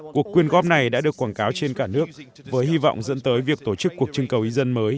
cuộc quyên góp này đã được quảng cáo trên cả nước với hy vọng dẫn tới việc tổ chức cuộc trưng cầu ý dân mới